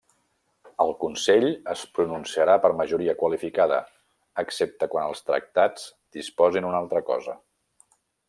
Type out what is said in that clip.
El Consell es pronunciarà per majoria qualificada, excepte quan els Tractats disposin una altra cosa.